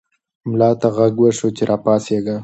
ملا ته غږ وشو چې راپاڅېږه.